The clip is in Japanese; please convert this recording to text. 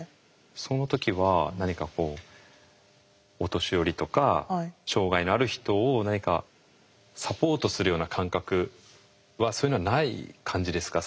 その時は何かこうお年寄りとか障害のある人を何かサポートするような感覚はそういうのはない感じですか？